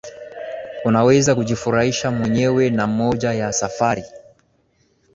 Unaweza kujifurahisha mwenyewe na moja ya safari